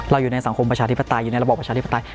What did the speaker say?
อยู่ในสังคมประชาธิปไตยอยู่ในระบอบประชาธิปไตย